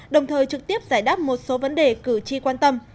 đồng thời trực tiếp giải đáp một số vấn đề cử tri quan tâm